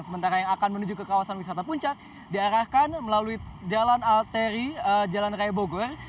sementara yang akan menuju ke kawasan wisata puncak diarahkan melalui jalan alteri jalan raya bogor